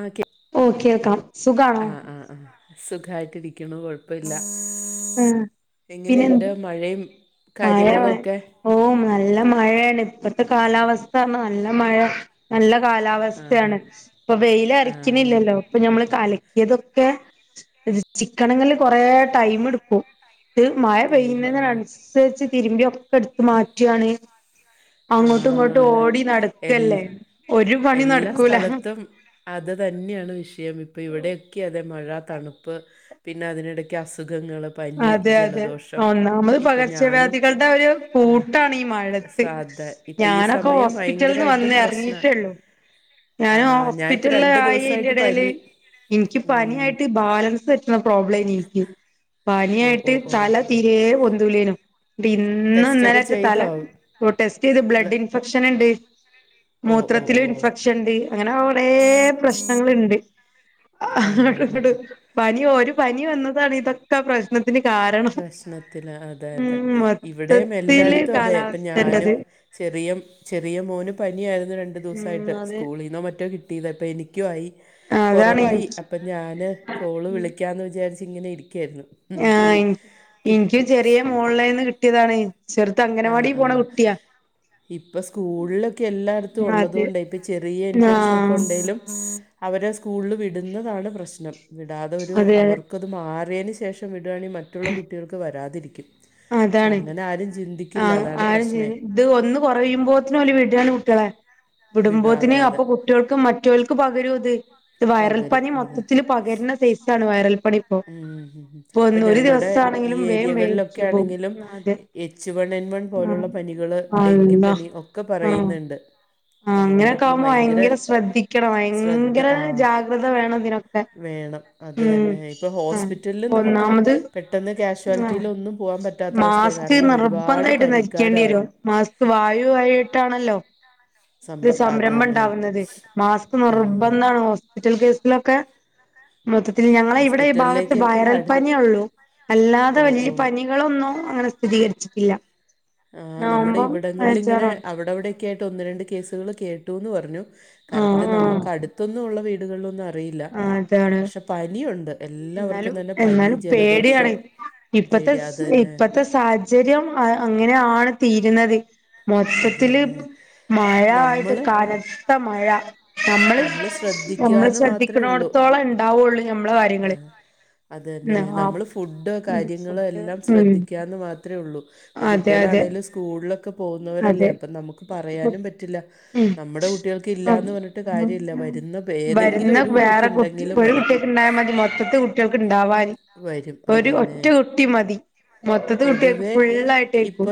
ആകെ ഓഹ് കേൾക്കാം സുഖാണോ? സുഖായിട്ടിരിക്ക്ണു കൊഴ്പ്പല്ല ആഹ് പിന്നെ എങ്ങനെണ്ട് മഴെമ് കാര്യങ്ങളുഒക്കെ ഓം നല്ല മഴേണ് പ്പത്തെ കാലാവസ്ഥാർഞാ നല്ല മഴ നല്ല ആഹ് കാലാവസ്ഥയാണ് പ്പൊ ആഹ് വെയിലറിച്ചിണില്ലല്ലോ പ്പ ഞമ്മള് കലക്ക്യതൊക്കെ ചിക്കണങ്ങില് കൊറേ ടൈമ് ടുക്കും ട്ട് മഴ ടൈം ആഹ് പെയ്യുന്നതിനൻസര്ച്ച് തിര്മ്പ്യോക്കെട്ത്ത് മാറ്റാണ് അങ്ങോട്ടും ങ്ങോട്ടും ആഹ് ഓടി എൽ നടക്കല്ലേ ഒരു പണിം എല്ലാ നട്ക്കൂല സ്ഥലത്തും അത് തന്ന്യാണ് വിഷയം ഇപ്പ ഇവിട്യോക്കെ തെ മഴ തണുപ്പ് പിന്നതിനിടക്ക് അസുഖങ്ങൾ അതെ അതെ ഒന്നാമ്മത് ഞാനും പകർച്ചവ്യാധികൾടെ ഒരു ആഹ് കൂട്ടാണ് ഈ മഴത്ത് സാധ ഇപ്പൊ ഈ ഞാനൊക്കെ സമയം ഹോസ്പിറ്റൽന്ന് ഭയങ്കരായിട്ടും വന്ന് പ്രശ്ന എർങ്ങീട്ടേള്ളു ഞാന് ആഹ് ഞാനിപ്പോ ഹോസ്പിറ്റൽ രണ്ട് ലായി ദിവസായിട്ട് അയ്ന്റെടേല് പനി ഇന്ക്ക് ഉം പന്യായിട്ട് ബാലൻസെറ്റ്ണ പ്രോബ്ലേനിൻക്ക് ഓ ഓ പന്യായിട്ട് ഓ തല തീരേ പൊന്തൂലേന്നു ടെസ്റ്റൊക്കെ ബിന്നുന്നലെറ്റ തല ചെയ്തോ ഓ ടെസ്റ്റെയ്ത് ബ്ല ബ്ലഡിൻഫെക്ഷന് ണ്ട് ഓ ഓ മൂത്രത്തില് ഓ ഇൻഫെക്ഷൻ ണ്ട് അങ്ങനെ കുറേ പ്രശ്നങ്ങള്ണ്ട് ആ ഹാ അങ്ങട്ടു ഹാ ങ്ങട്ടും ഹാ പനി ഒരു പനി വന്നതാണ് ക്കെ പ്രശ്നത്തിന് കാരണം പ്രശ്നത്തില അതെ അതെ ഉം മൊത്തത്തില് കാര പ്പ ഞാനും ചെറിയ ചെറിയ മോന് പനിയായിര്ന്നു രണ്ടു ഉം ദിവസായിട്ട് അതെ സ്കൂളീന്നോ മറ്റോ കി ദീ ദെപ്പെനിക്യുആയി അതാണ് കൊറവായി എനിക്ക് അപ്പൊ ഞാൻ കോൾ വിളിക്ക്യന്ന് വിജാർച് തിങ്ങനെ ഇരിക്ക്യാർന്നു ഉം ഇന്ക് ചെറ്യേ മോളേന്ന് കിട്ട്യതാണ് ചെർത് ആഹ് അംഗനവാടി പോണ ആഹ് കുട്ട്യാ ഇപ്പൊ സ്കൂൾലൊക്കെ എല്ലാട്ത്തും അതെ ഉള്ളതോണ്ടേ പ്പ ചെറിയ ഇൻഫെക്ഷനൊക്കെ ആഹ് ണ്ടേലും അവരെ സ്കൂൾല് വിടുന്നതാണ് പ്രശ്നം വിടാതെ ഒരു അതെ അതെ അവർക്കത് മാറ്യേന് ശേഷം വിടാണി മറ്റുള്ള കുട്ടികൾക്ക് വരാതിരിക്കും ക്ഷെ അതാണ് അങ്ങനാരും ചിൻ ആഹ് ആരും ചിന്തി ത് ഒന്ന് കൊറയുമ്പോത്തിനോല് വ്ടാണ് കുട്ട്യാളെ വിടും വിടുമ്പോത്തിന് അതെ അപ്പൊ അതെ കുട്ട്യാൾക്ക് മറ്റോൽക്ക് പകരു ത് പകരും വയറൽപ്പനി അതെ മൊത്തത്തിൽ പകര്ണ സൈസാണ് വൈറൽ പനി ഇപ്പോ ഉം ഇപ്പൊ പ്പ ഒന്ന് ഒരു ഞങ്ങടെ ഈ ദിവസാണെങ്കിലും വേം വേം ഏരിയകൾലൊ ക്കെ ക്കും ആണെങ്കിലും പോവും അതെ എച്ച് വൺ എൻ വൺ ആഹ് പോലുള്ള പനികള്, അള്ളാ ഡെങ്കിപ്പനി ഒക്കെ ആഹ് പറയ്ന്നു ണ്ട് ആഹ് അതോണ്ട് അങ്ങനെയൊക്കെ പ്പം ആവുമ്പോ ഭയങ്കര ശ്രദ്ധിക്കണം [inaudible] സ്രദ്ധ ഭയങ്കര [inaudible] ആഹ് ജാഗ്രത വേണം ഇതിനൊക്കെ വേണം അത് ഉം തന്നെ ഇപ്പൊ ആഹ് ഹോസ്പിറ്റൽലും നമുക്ക് ഒന്നാമത് പെട്ടെന്ന് ആഹ് കാഷ്വാലിറ്റിയിലൊന്നും പോവാൻ പറ്റാത്തവസ്ഥേ മാസ്ക് കാരണം ഒരുപാട് പനി ക്കാര വർണേ മാസ്ക്ക് വായുവായിട്ടാണല്ലോ ത് സമ്പർ അത് സംരംഭം തന്നെ ണ്ടാവുന്നത് മാസ്ക് ഉം നിർബന്താണ് ഹോസ്പിറ്റൽ കേസ് ലൊക്കെ മൊത്തത്തില് ഞങ്ങളെ ഇവിടെ ഈ ഭാഗത്ത് ഹോസ്പിറ്റലിലേക്കൊക്കെ വയറൽ അട് പന്യോള്ളൂ അല്ലാതെ ഓ വല്ല്യ ഓ പനി കളൊന്നും അങ്ങനെ സ്ഥിതീകരിച്ചിട്ടില്ല ആഹ് നമ്മുടെ ഇവിടങ്ങൾൽ ങ്ങനെ അവ് അവിടൊക്കായിട്ട് ഒന്ന് രണ്ട് കേസുകൾ കേട്ടുന്ന് പർഞ്ഞു ആഹ് കറക്റ്റ് ആഹ് നമുക്ക തൊന്നു ഉള്ള വീടുകൾലൊന്നു റിയില്ല ആ അതാണ് പക്ഷെ പനിയുണ്ട് എല്ലാവർക്കും എന്നാലും നല്ല പനി എന്നാലും ജലദോഷം പേടിയാണ് ഇപ്പത്തെ പേടി അത് സ് തന്നെ ഇപ്പത്തെ സാഹചര്യം അ അങ്ങനെയാണ് തീരുന്നത് അത് മൊത്തത്തില് തന്നെ മഴായിട്ട് നമ്മൾ കനത്ത മഴ നമ്മൾ ശ്രദ്ധിക്കുക നമ്മൾ എന്ന് ശ്രദ്ധി മാത്രമേ ഉള്ളൂ ക്കണോട്ത്തോളം ണ്ടാവൊള്ളൂ ഞമ്മളെ കാര്യങ്ങള് അതെന്നെ ആ നമ്മള് ഫുഡ് ഫുഡ് കാര്യങ്ങളെല്ലാം ഉം ശ്രദ്ധിക്കാൻ ത് മാത്രേ ഒള്ളു പോ അതെ അതെ കുട്ടികളാണേലു സ്കൂൾലൊക്കെ പോന്നോ തല്ലേ അതെ അപ്പ നമുക്ക് പറയാനും പറ്റില്ല ഉം നമ്മടെ കുട്ട്യാൾക്ക് ഇല്ലാന്ന് പർഞ്ഞിട്ട് കാര്യല്ല മരുന്നൊ വരുന്ന വേറെ കുട്ടി ഒരു കുട്ടിക് ഉണ്ടായൽ മതി മൊത്തത്തിൽ കുട്ടികൾക്ക് ഉണ്ടാവാന്. വരും ഒരു അതന്നെ ഒറ്റ കുട്ടി മതി മൊത്തത്ത് കുട്ടിയാക്ക് പൊതുവേ ഇപ്പൊ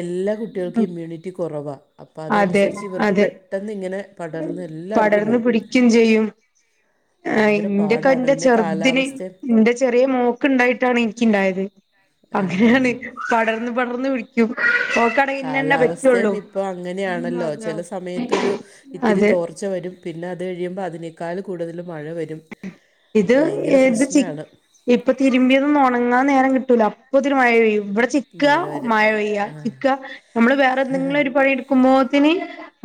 എല്ലാ കുട്ടികൾക്കും ഇമ്മ്യൂണിറ്റി കുറവാണ്. അപ്പ അതെ അതനുസരിച്ച് ഇവർക്ക് അതെ പെട്ടെന്ന് ഇങ്ങനെ പടർന്ന് എല്ലാവർക്കും പടർന്ന് വരും പിടിക്കും ചെയ്യും. ആ ഭയങ്കര ഇന്റെയക്കെ പാടാണ് എന്റെ പിന്നെ ചെറുതിന് കാലാവസ്ഥ എന്റെ ചെറിയ മോ ഓക്ക് ണ്ടായിട്ടാണ് ഇനിക്കിണ്ടയത് അങ്ങനെയാണ് ആ പടർന്ന് പടർന്ന് പിടിക്കും. ക്ക് ഇന്നെന്നെ പറ്റുള്ളൂ. ഇപ്പോ അങ്ങനെയാണല്ലോ ചില സമയത്തൊരു ഇത്തിരി അതെ തോർ ർച്ച വരും പിന്നെ അത് കഴിയുമ്പോൾ അതിനേക്കാൾ കൂടുതൽ മഴ വരും. ഇത് ഭയങ്കര ഏത് ചി പ്രശ്നമാണ് ഇപ്പൊ തിരുമ്പിയതൊന്നും ഉണങ്ങാൻ നേരം കിട്ടൂല അപ്പൊത്തിന് മഴ പെയ്യും. ഇവിടെ ചി മഴ വരും ചിക്കമഴ പെയ്യ ആ ചിക്ക നമ്മള് വേറെന്തങ്കിലും ഒരു പണി എടു കുമോത്തിന്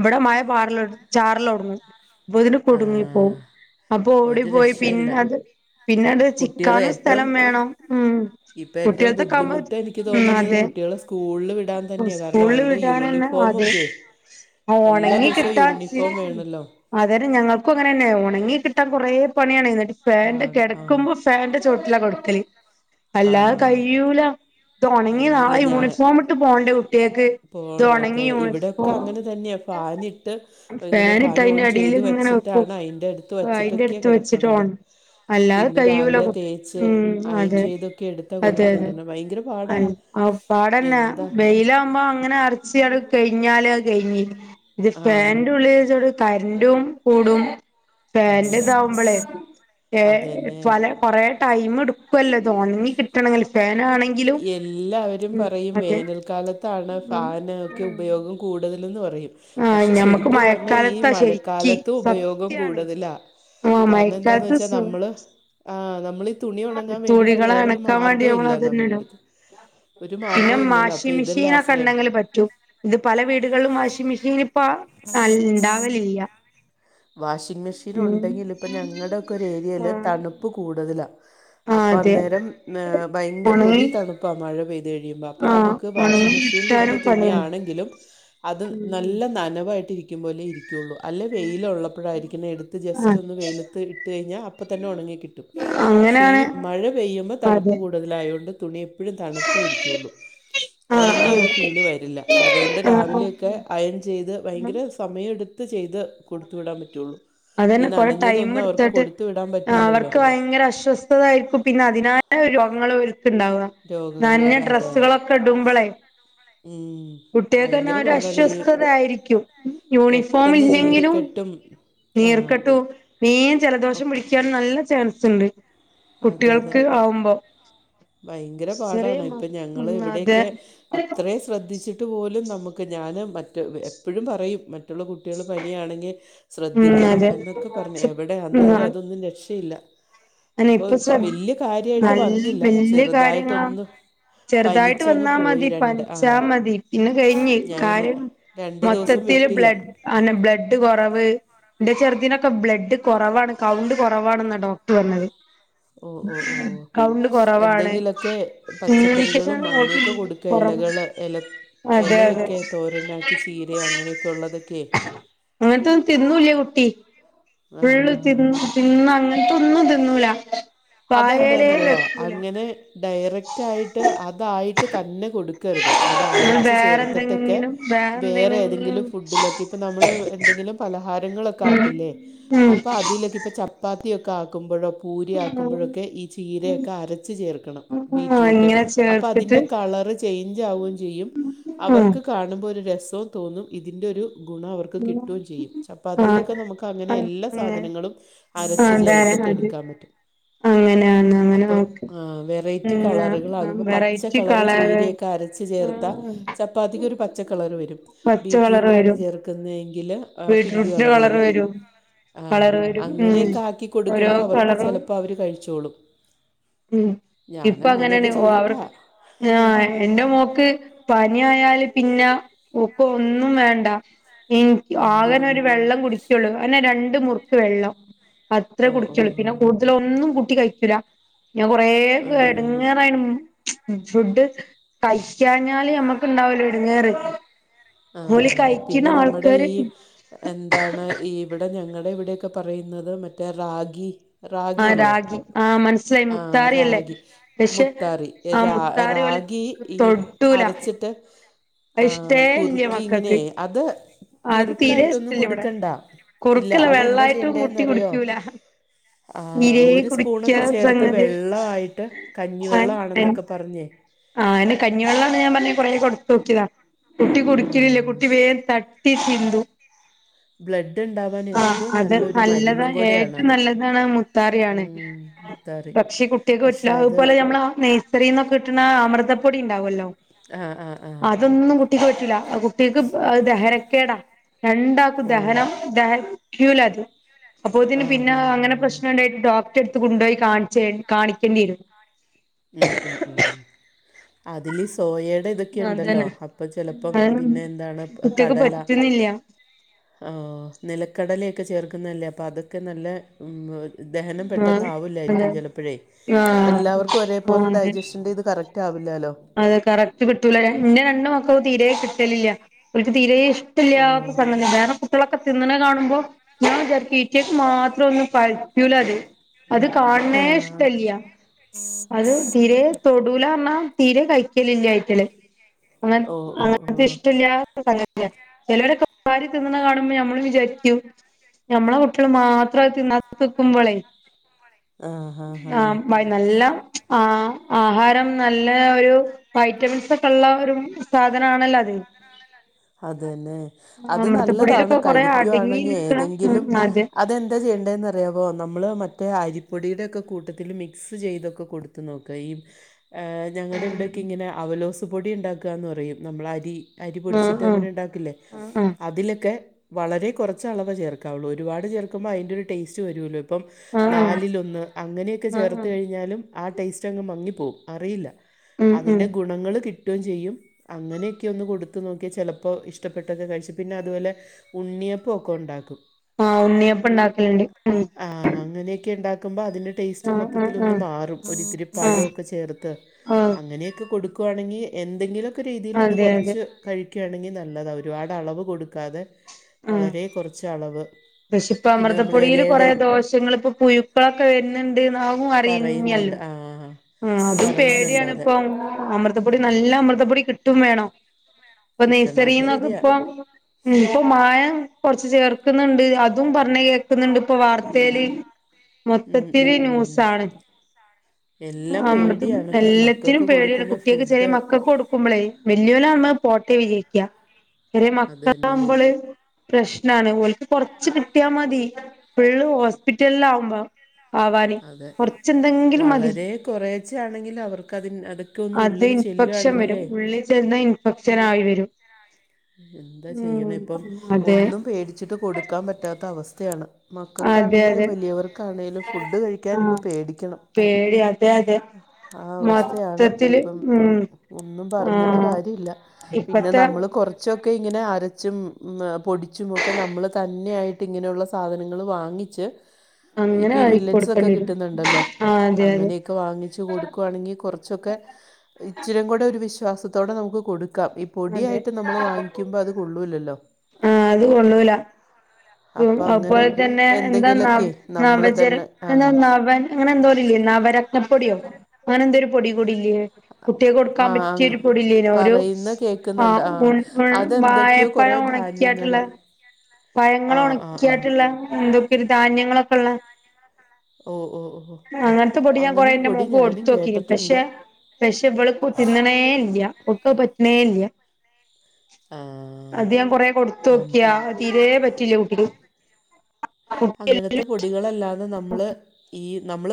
ഇവിടെ മഴ പാറില് ചാറിലോടുങ്ങും അപ്പോതിന് ആ കുടുങ്ങിപ്പോകും. ഓടി ഒരു പോയി രക്ഷയില്ല പിന്നെ അത് പിന്നെത് കുട്ടികൾ ചിക്കാനും ഏറ്റവും സ്ഥലം വേണം ഉം ഇപ്പം ഏറ്റവും കുട്ടികൾ താക്കാക്കുമ്പോ ബുദ്ധിമുട്ട് എനിക്ക് ഉം തോന്നുന്നത് അതെ കുട്ടികളെ സ്കൂളിൽ വിടാൻ തന്നെയാണ് കാരണം സ്കൂളിൽ അവരുടെ വിടാണ്ള്ള അത് യൂണിഫോമൊക്കെ എല്ലാ ഉണങ്ങി ദിവസവും കിട്ടാൻ യൂണിഫോം വേണമല്ലോ അതന്നെ ഞങ്ങൾക്കും അങ്ങനെ തന്നെയ ഉണങ്ങി കിട്ടാൻ കൊറേ പണിയാണ് ഫേന്റെ പാട ആ കിടക്കുമ്പോ ഫാന്റെ ചോട്ടിലാ കൊടുക്കല് ആ അല്ലാതെ കയൂല. ഇതുണങ്ങി നാളെ കഴിയില്ല യൂണിഫോം ഇട്ട് പോണ്ടേ കുട്ടികൾക്ക്. പോണ അതെ ഇവിടെക്കെ അങ്ങനെ തന്നെയ ഫാന് ഇട്ട് ഇങ്ങനെ ഇട്ട് ഫാൻ ഓൺ അതിന്റെ അടിൽ ചെയ്ത് ഇങ്ങനെ വെച്ചി വെക്കും ട്ടാണ് അയിന്റെ ഒരുത്. അയിന്റെ ടുത്തവച്ചിട്ടൊക്കെയ അടുത്ത് വെച്ചിട്ട് കിടക്കണത് ഓൺ അല്ലാതെ പിന്നെ കയ്യൂല രാവിലെ തേച്ച് ഉം അയ അതെ ചെയ്തൊക്കെ എടുത്താ കൊടുതുവിടണ് ഭയങ്ക അ ആ പാടന്നെ വെയിലകുമ്പോ അങ്ങനെ ആർ ച്ച് അത്കഴിഞ്ഞാല് കഴിഞ്ഞി ഇത് ആഹ് ഫാന്റ് ഉള്ളില് വെച്ചാണ്ട് കരന്റു കൂടും കരണ്ട് ഫാന്റ്തമ്പോളേ ഏ അത് തന്നെ പല കുറേ ടൈം എടുക്കുവല്ലോ ഇതൊണങ്ങി കിട്ടാ എല്ലാവരും ഉം പറയും അതെ വേനൽക്കാലത്താണ് ഫാൻ ഒക്കെ ഉം ഉപയോഗം കൂടുതലെന്ന് പറയും. ആഹ് പക്ഷെ ഞമ്മക്ക് ശരിക്കു പറഞ്ഞാ ഈ മഴക്കാലത്താ ശരിക്ക് മഴക്കാലത്ത് ഉപയോഗം സത്യാണ് കൂടുതലാ. ആഹ് കാരണം എന്താന്ന് മഴക്കാലത്ത് വെച്ചാ സു നമ്മള് ആ നമ്മൾ തുണി ഉണങ്ങാൻ വേണ്ടിയിട്ട് തുണികള് വേറൊരു അണക്കാൻ വേണ്ടി നമ്മള് മാർഗവില്ല അതന്നെ നമ്മുടെ ഇടും ഒരു മാർഗവും ഇല്ലല്ലോ അപ്പൊ ഇതല്ലേ ആശ്രയം. പറ്റു ഇത് പല വീടുകളിലും വാഷിംഗ് മെഷീനി ഇപ്പ ഉണ്ടാവലില്ല. വാഷിംഗ മെഷീൻ ഉണ്ടെങ്കിലും പ്പോ ഞങ്ങളുടെ ഒക്ക ഒരു ഏരിയില് ആഹ് തണുപ്പ് കൂടുതലാ. ആഹ് അപ്പൊ അതെ അന്നേരം ഭയങ്കര ഒണങ്ങി ഹെവി തണുപ്പാ മഴ പെയ യ്യുമ്പോ അപ്പോ ആഹ് നമുക്ക് ഒണങ്ങി വാഷിംഗ മെഷീനിൽ ഇട്ട കിട്ടാനും പണിയാണ് തുണിയാണെങ്കിലും അത് ഉം നല്ല നനവായിട്ട് ഇരിക്കുമ്പോ ലെ ഇരിക്കുകുള്ളു അല്ലെ വെയില ഉള്ളപ്പോഴായിരിക്കുന്ന എടുത്ത് ജസ്റ്റ് ആഹ് ഒന്ന് വെയിലത്ത് ഇട്ട് കഴിഞ്ഞാൽ അപ്പം തന്നെ ഉണങ്ങി കിട്ടും. പക്ഷേ ഈ അങ്ങനെയാണ് മഴ പെയ്യുമ്പോൾ തണുപ്പ് അതെ കൂടുതലായതുകൊണ്ട് തുണി എപ്പോഴും തണുത്തേ ഇരിക്കുള്ളൂ. ആഹ് ഒണങ്ങിയ ഒരു ഫീല് ആഹ് വരില്ല അതുകൊണ്ട് ആഹ് രാവിലെയൊക്കെ അയൺ ചെയ്ത് ആഹ് ഭയങ്കര സമയമെടുത്ത് ചെയ്ത് കൊടുത്തു വിടാൻ പറ്റുള്ളൂ. ഈ അതന്നെ കൊറെ ടൈം നനഞ്ഞതൊന്നും അവർക്ക് എടുത്തിട്ട് കൊടുത്തു വിടാൻ പറ്റില്ലല്ലോ അവർക്ക് ഭയങ്കര അശ്വസ്ഥ യിരിക്കും പിന്നെ അതിനാലെ രോഗങ്ങൾ ഓര്ക്ക് ഉണ്ടാവുക രോഗങ്ങൾ നന്നഞ്ഞ വരും അതെ അതെ ഡ്രസ്സുകളൊക്കെ ഇടുമ്പോളേ ഉം കുട്ടികൾക്ക് തന്നെ ഭയങ്കര ഒരു പാടാണ് ഈ അശ്വസ്ഥത ആയിരിക്കും യൂണിഫോം പെട്ടെന്ന് ഇല്ലെങ്കിലും നീർക്കെട്ടും ആ നീർക്കെട്ടു വേഗം ജലദോഷം ഒക്കെ പിടിക്കും. ക്കാൻ നല്ല ചാൻസ്ണ്ട് അതെ അതെ കുട്ടികൾക്ക് ആവുമ്പോ. ഭയങ്കര ചെറിയ പാടാണ് മ ഇപ്പൊ ഞങ്ങള് ഉം അതെ ഇവിടെക്കെ അത്ര ശ്രദ്ധിച്ചിട്ട് പോലും നമുക്ക് ഞാൻ മറ്റ എപ്പോഴും പറയും മറ്റുള്ള കുട്ടികൾ പനിയാണെങ്കിൽ ഉം ശ്രദ്ധിക്കണം അതെ എന്നൊക്കെ പറഞ്ഞു എവിടെ വന്നാലും ഉം അതൊന്നും രക്ഷയില്ല അനെ ഇപ്പോൾ ഇപ്പ സ വലിയ കാര്യമായിട്ട് നല്ല വന്നില്ല വല്യ കാര്യങ്ങളാ ചെറുതായിട്ടൊന്ന് ചെറുതായിട്ട് പനിച്ചങ്ങ് വന്നാ പോയി മതി രണ്ട് ആ പഞ്ച്ചാ മതി പിന്നെ കഴിഞ്ഞ് ഞാൻ പിന്നെ കാര്യം രണ്ട് ദിവസം മൊത്തത്തിൽ വിട്ടില്ല ബ്ലഡ് ആന്നെ ബ്ലഡ് കുറവ് എന്റെ ചെറുദിനൊക്കെ ബ്ലഡ് കുറവാണ് കൗണ്ട് കുറവാണ് എന്നാ ഡോക് വന്നത് ഓഹ് ഓഹ് ഓഹ് കൊറവാണ് എന്തെങ്കിലൊക്കെ പച്ചക്കറികളും കമ്മ്യൂണിക്കേഷൻ ഓൾക്ക് അങ്ങനെയൊക്കെ കൊടു കൊറവാ ഇലകൾ ഇല അതെ അതെ ഇലയൊക്കെ തോരനാക്കി ചീരയോ അങ്ങനെയൊക്കെ ഉള്ളതൊക്കെ അങ്ങനെതോന്നും തിന്നൂല്ലേ കുട്ടി ഫുള്ള് ആ തിന്ന് തിന്ന അങ്ങനത്തെ ഒന്നും തിന്നൂല വായേലേ അതെന്താന്നറിയോ വെക്കൂല അങ്ങനെ ഡയറക്റ്റ് ആയിട്ട് അതായിട്ട് തന്നെ കൊടു ക്കരുത് അത് അരച്ച് ചേർട്ടൊക്കെ വേറെന്തെങ്കിലും വേറെ വേറെന്തെങ്കിലും ഏതെങ്കിലും ഫുടിലോക്കെ ഇ ഇപ്പൊ നമ്മള് എന്തെങ്കിലും പലഹാരങ്ങളൊക്കെ ആക്കില്ലേ അപ്പൊ അതിലൊക്കെ ഇപ്പ ചപ്പാത്തിയോ ആക്കുമ്പോഴോ പൂരി ഉം ആക്കുമ്പോഴൊക്കെ ഈ ചീരയൊക്കെ അരച്ചു ചേർക്കണം ആ ബീറ്റ്റൂട്ട് ഇങ്ങനെ അപ്പ ചേർത്തിട്ട് അതിന്റെ കളറ് ചേഞ്ച് ആവുകയും ചെയ്യും ഉം അവർക്ക് കാണുമ്പോൾ ഒരു രസവും തോന്നും ഇതിന്റെ ഒരു ഗുണം അവർക്ക് കിട്ടുകയും ചെയ്യും ആ ചപ്പാത്തിയിലൊക്കെ നമുക്ക് അങ്ങനെ എല്ലാ സാധനങ്ങളും അരച്ച അതെ ചേർത്തിട്ട് അത് എടുക്കാൻ പറ്റും അങ്ങനെയാണ് അങ്ങനെ അപ്പം ഓക്കെ വെറൈറ്റി കളറുകളൾ ഉം ഇപ്പ പച്ച വെറൈറ്റി കളറ് ചീരയൊക്കെ അരച്ച് ചേർത്താ ഉം അപ്പോൾ അതിലൊരു പച്ചക്കളറ് വരും പച്ച കളർ വരും നിക്കുന്നെങ്കിൽ പിങ്ക് കളർ വരും കളർ വരും ഉം അങ്ങനെയൊക്കെ ആക്കി ഓരോ കൊടുക്കുമ്പോൾ അവർക്ക് ചെല കളറും അപ്പോ അവർ കഴിച്ചോളും ഉം ഞാൻ ഇപ്പൊ അങ്ങനെയാണ് അങ്ങനെയൊക്കെ ചെയ്തിട്ടാ അവർക്ക് ആ എന്റെ മോക്ക് പനി ആയല് പിന്നെ ഒക്കെ ഒന്നും വേണ്ട ആ ആകനെ ഒരു വെള്ളം കുടിക്കുള്ളു അയനെ രണ്ട് മുക്ക് വെള്ളം അത്രേ ഓ ഓ കുടിച്ചുള്ളു ഓ പിന്നെ കൂ അതിലൊന്നും കുട്ടി കഴിക്കൂല ഞാൻ കൊറ ആ ആ എടുങ്ങറായി ഫുഡ് കഴിക്കഴിഞ്ഞാല് മ്മക്കുണ്ടാവല്ലോ എടുങ്ങേറ് ഉം ആ. ഹോളി കായക്കുന്ന പിന്നെ നമ്മുടെ ആൾക്കാര് ഈ എന്താണ് ഇവിടെ ഞങ്ങളുടെ ഇവിടൊക്കെ പറയുന്നത് മറ്റേ റാഗി റാഗി ആഹ് ഇല്ലേ രാഗി ആഹ് മനസ്സിലായി ആ മുത്താറി അല്ലേ റാഗി പക്ഷെ മുത്താറി ആഹ് മുത്താറി ഓല് റാഗി ഈ തൊടൂല അരച്ചിട്ട് ആ, [unintelligible] കുറുക്കി ഇങ്ങനെ മക്കൾക്ക് അത് അത് തീരെ കുറുക്കായിട്ടൊന്നും ഇഷ്ടല്ല ഇവിടെ കൊടുക്കണ്ട ഇല്ല കുറുക്കല്ല അതെന്താ വെള്ളായിട്ടും കുട്ടി ചെയ്യണ്ടേന്ന്റിയോ കുടിക്കൂല ആ തീരെ ഒരു സ്പൂണൊക്കെ കുടിക്കാത്ത ചേർത്ത് സംഗതിയാ വെള്ളമായിട്ട് കഞ്ഞിവെള്ളം ആണെന്നൊക്കെ പറഞ്ഞേ ആ കഞ്ഞിവെള്ളാണ് ഞാൻ പറഞ്ഞ കുറെ കൊടുത്തു നോക്കിയതാ കുട്ടി ആ, കുടിക്കലില്ലേ കുട്ടി വേഗ ത ട്ടി ചിന്തു ബ്ലഡ് ഉണ്ടാവാൻ ആഹ് ഏറ്റവും അത് നല്ലൊരു നല്ലതാ മരുന്നും ഏറ്റവും കൂടെയാണത് നല്ലതാണ് മുത്താറിയാണ് ഉം, മുത്താറി പക്ഷേ കുട്ടികക്ക് പക്ഷെ പറ്റില്ല അത് അതുപോലെ നമ്മള നഴ്സറിൽന്നൊക്കെ കിട്ടുന്ന അമൃതപ്പൊടി ഉണ്ടാവുല്ലോ ആഹ് ആഹ് അതൊന്നും കുട്ടിക്ക് പറ്റില്ല കുട്ടിക്ക് ദഹനക്കേടാ രണ്ടാക്കും ഓ ദഹനം [unintelligible] ക്കൂല അത് അപ്പോതിന് ആ പിന്നെ ഹാ അങ്ങനെ ഹാ പ്രശ്നം ഉണ്ടായിട്ട് ഡോക്ടറെ എടുത്ത കൊണ്ടുപോയി കാണിച്ച കാണിക്കേണ്ടിയിരുന്നു ഉം ഉം ഉം അതില് സോയയുടെ ഇതൊക്കെ ഉണ്ടല്ലോ അതന്നെ അപ്പൊ ചിലപ്പം അത് പിന്നെ എന്താണ് കുട്ടിക്ക് കടല പറ്റുന്നില്ല നിലക്കടലയൊക്കെ ചേർക്കുന്നതല്ലേ അപ്പൾ അതൊക്കെ നല്ല ദഹനം പെട്ടെന്ന് ആഹ് ആവില്ലായിരിക്കും അതെ ചിലപ്പോഴേ ആഹ് എല്ലാവർക്കും ഒരേ ആഹ് ഇപ്പൊര് ഡൈജസ്റ്റിന്റിം ഇത് കറക്റ്റ് ആവില്ലല്ലോ അതെ കറക്റ്റ് കിട്ടൂല ര ഇന്റെ രണ്ട് മക്കളും തീരേ കിട്ടലില്ല ഓല്ക്ക് തീരേ ഇഷ് ടല്ലാത്ത ഓഹ് സംഗതി വേറെ കുട്ടിളൊക്കെ തിന്നണെ കാണുമ്പോ ഞാൻ വിചാരിക്ക് ടീച്ചേർസ് മാത്രം ഒന്ന് പ റയൂലത് അത് കാണ്ണേ ആഹ് ഇഷ്ടല്ല അത് തീരേ തൊടൂലാറണാ തീരേ കഴിക്കലില്ല അയിറ്റള് അങ്ങന ഓഹ് ഓഹ് അങ്ങനത്തെ ഓഹ് ഇഷ്ടല്ല്യാ [unintelligible] ചേലോരൊക്കെ വാരി തിന്ന്ണ കാണുമ്പോ ഞമ്മളും വിചാരിക്കും ഞമ്മളെ കുട്ടിള് മാത്രം അത് തിന്നാത്ക്കുമ്പളേ ആഹ് ഭയ നല്ല ആഹ് ആഹാരം നല്ല ഒരു വൈറ്റമിൻസ് ഒക്കെള്ള ഒരു സാധനാണല്ലോ അത് അതന്നേ അത് നല്ലതാണ് അമൃതപ്പൊടിയിലൊക്കെ കൊറേ അടങ്ങി കഴിക്കുവാണെങ്ങി നിക്കണ ഉം ഏതെങ്കിലും അതെ അതെന്താ ചെയ്യേണ്ടന്ന് അതേപോ നമ്മള് മറ്റേ അരിപ്പൊടിയുടെക്കെ കൂട്ടത്തിൽ മിക്സ് ചെയ്തൊക്കെ കൊടുത്ത് നോക്ക ഈ ഏ ഞങ്ങൾടെ ഇവിടൊക്കെങ്ങനെ അവലോസ് പൊടി ഉണ്ടാക്കാന്ന് പറയും നമ്മൾ അരി അരി ആ പൊടിച്ചിട്ട് ആ ഡാകിലെ ആ ആ അതിലൊക്കെ വളരെ കുറച്ചളവ് ചേർക്കാവുള്ളൂ ഒരുപാട് ചേർക്കുമ്പോ അതിൻ്റെ ഒരു ടേസ്റ്റ് വരൂല്ലോ ഇപ്പം ആ ആ നാലിലൊന്ന് അങ്ങനെക്കെ ആ ആ ചേർത്ത് കഴിഞ്ഞാലും ആഹ് ടേസ്റ്റങ്ങ് മങ്ങിപ്പോകും അറിയില്ല ഉം ഉം അതിന്റെ ഗുണങ്ങള് കിട്ടും ചെയ്യും അങ്ങനെക്ക്യോന്ന് കൊടുത്തു നോക് ചെലപ്പോ ഇഷ്ടപ്പെട്ടൊക്കെ കഴിച്ചു പിന്നെ അതുപോലെ ഉണ്ണിയപ്പൊക്കെ ഉണ്ടാക്കും ആഹ് ഉണ്ണിയപ്പം ണ്ടാക്കലണ്ട് ഉം ആഹ്‌ അങ്ങനെക്കെ ഇണ്ടാക്കുമ്പോ അതിൻ്റെ ടേസ്റ്റ് ആ ആ ആ മൊത്തത്തിലൊന്ന് മാറും ഒര്ത്തിരി ആ പഴൊക്കെ ചേർത്ത് ആ അങ്ങനേക്കെ കൊടുക്കുവാണെങ്ങി എന്തെങ്കിലൊക്കെ രീതീൽ അത് അതെ അതെ കൊറച്ച് കഴിക്കാണെങ്ങി നല്ലതാ ഒരുപാട് അളവ് കൊടുക്കാതെ ആ വളരേ കൊറച്ച് അളവ് പക്ഷെ ഇപ്പൊ പിന്നെ നമ്മളെ അമൃതപ്പൊടീല് കൊറേ ഇലയുടെ ദോഷങ്ങൾ ഇപ്പൊ പുയുക്കളൊക്കെ വരു ന്ന്ണ്ട്ന്ന് അവുംറഞീനല്ലോ പറയുന്നുണ്ട് ആ ആഹ്‌ അതും പറയുന്നുണ്ട് അത് പേടിയാണ്പ്പം അമൃതപ്പൊടി നല്ല അമൃതപ്പൊടി കിട്ടും വേണം ഇപ്പൊ കിട്ടണം അത് നെയ്സറിന്നൊക്ക ശരിയാ ഇപ്പം ഉം ഇപ്പൊ മായം കൊറച്ച് ചേർക്ക്ന്ന്ണ്ട് അതും പറഞ്ഞ് കേക്ക്ന്ന്ണ്ട്പ്പോ വാർത്തേല് ഉം ഉം മൊത്തത്തില് ഉം ന്യൂസ്സാണ് എല്ലാം ആമ്പതത് പേടിയാണ് ഇപ്പം എല്ലത്തിനും മക്കൾക്ക് പേടിയാണ് കൊടുക്കുന്ന കുട്ട്യേക്ക് ചെറിയ ഫുഡ് മക്കൾക്ക് കൊടുക്കുമ്പളേ വെല്ല്യോലാവുമ്പോത് പോട്ടേ വിജാരിക്ക ചെറിയ അത് തന്നെ മക്കളാവുമ്പള് പ്രശ്നാണ് ഓൽക്ക് കൊറച്ച് കിട്ടിയാമതി ഫുള്ള് ഹോസ്പിറ്റലിൽ ആകുമ്പോ ആവാന് കൊറച്ചെന്തെങ്കിലും മതി കൊറേച്ചെ ആണെങ്കിലും അവർക്ക് അതിന് അത് അത് ഇൻഫെക്ഷൻ വരും ഉള്ളിൽ ചെന്നാ ഇൻഫെക്ഷനായി വരും എന്താ ഉം ചെയ്യണ്പ്പം അതെ ഒന്നും പേടിച്ചിട്ട് കൊടുക്കാൻ പറ്റാത്ത അവസ്ഥയാണ് അതെ അതെ മക്കക്കാണെങ്കിലും വലിയവർക്കാണേലും ഫുഡ്ഡ് ആഹ് കഴിക്കാനിപ്പോ പേടിക്കണം പേടി അതെ അതെ ആഹ് അവസ്ഥയാണ് മൊത്തത്തില് ഇപ്പം ഉം ഒന്നും പറഞ്ഞിട്ട് ആഹ് കാര്യല്ല പിന്നെ ഇപ്പത്തെ നമ്മള് കൊറ ച്ചൊക്കെ ഇങ്ങനെ അരച്ചും മേ പൊടിച്ചും ഒക്കെ നമ്മൾ തന്നെയായിട്ട് ഇങ്ങനെയുള്ള സാ സാധനങ്ങൾ വാങ്ങിച്ച് അങ്ങനെ ഇപ്പൊ ഈ ആയി മില്ലറ്റ്സൊക്കെ കൊടുക്കേണ്ടി വരും കിട്ടുന്നുണ്ടല്ലോ ആഹ് അതെ അതെ അങ്ങനെ ക്കെ വാങ്ങിച്ച് കൊടുക്കുവാണെങ്ങി കൊറച്ചൊക്കെ ഇച്ചിരും കൂടെ ഒരു വിശ്വാസത്തോടെ നമുക്ക് കൊടുക്കാം ഈ അതെ പൊടിയായിട്ട് നമ്മൾ വാങ്ങിക്കുമ്പ അത് കൊള്ളൂല്ലല്ലോ ആഹ് അത് കൊള്ളൂല ഉം അപ്പം അങ്ങനെ അത്പോലെതന്നെ എന്താ നവ എന്തെങ്കിലുമൊക്കെ നമ്മൾ തന്നെ നവജര്ക്ക്ണ ആ നവൻ അങ്ങനെന്തോതില്ലേ നവരത്നപ്പൊട്യോ അങ്ങനെ എന്തോര് പൊടി കൂടി ഇല്ലേ കുട്ട്യേക്ക് കൊട്ക്കാൻ ആഹ് അങ്ങ് പറ്റിയൊരു പൊടില്ല്യേനോ ഒരു പറയുന്ന കേക്കുന്നുണ്ട് ആഹ് ഉൻ ഉൻ വായ അതെന്തൊക്കെയോ കൊറേ പഴം ധാന്യങ്ങള് ഒണക്കിയാട്ട്ള്ളേ പഴങ്ങള് ആഹ് ആഹ് ആഹ് ഒണക്കിയാട്ട്ള്ള എന്തൊക്കെര് ധാന്യങ്ങളൊക്കെള്ള ഓഹ് ഓഹ് ഒഹോ ഉം അങ്ങനത്തെ പൊടി ഞാൻ കൊറേ ഇന്റെ മോക്ക് കൊടുത്തോക്കിനി പക്ഷേ കേട്ടിട്ടുണ്ട് പക്ഷേ ഇബള് ഇപ്പൊ തിന്ന്ണേ ഇല്ല്യ ഓക്ക്ത് പറ്റ്ണേല്ല്യ ആഹ് അത് ഞാൻ കൊറെ നം കൊട്ത്തോക്കി ആ തീരെ പറ്റില്ല്യ ഓക്ക് അങ്ങനത്തെ പൊടികള്ല്ലാതെ നമ്മള് ഈ നമ്മള്